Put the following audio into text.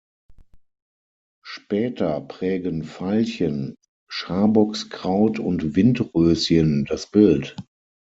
Später prägen Veilchen, Scharbockskraut und Windröschen das Bild.